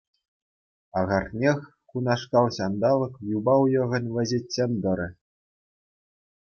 Ахӑртнех, кунашкал ҫанталӑк юпа уйӑхӗн вӗҫӗччен тӑрӗ.